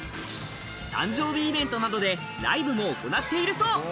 誕生日イベントなどでライブを行っているそう。